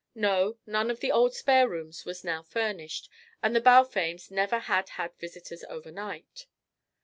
No, none of the old spare rooms was now furnished, and the Balfames never had had visitors overnight.